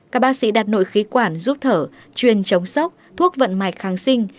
các bác sĩ đặt nội khí quản giúp thở truyền chống sốc thuốc vận mạch kháng sinh